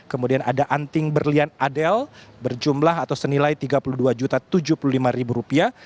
kemudian ada anting berlian adel berjumlah atau senilai tiga puluh dua tujuh puluh lima rupiah